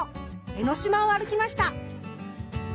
江の島を歩きました。